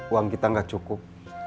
uang kita gak cukup